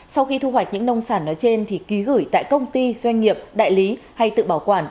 sau khi thu hoạch những nông sản nói trên thì ký gửi tại công ty doanh nghiệp đại lý hay tự bảo quản